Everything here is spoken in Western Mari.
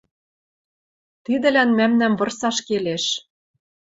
Тидӹлӓн мӓмнӓм вырсаш келеш...